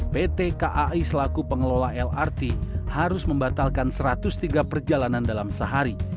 pt kai selaku pengelola lrt harus membatalkan satu ratus tiga perjalanan dalam sehari